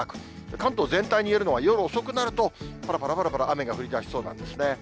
関東全体に言えるのは、夜遅くなると、ぱらぱらぱらぱら雨が降りだしそうなんですね。